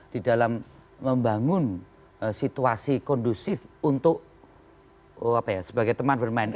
di dalam membangun situasi kondusif untuk sebagai teman bermain